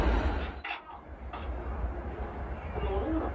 野々村？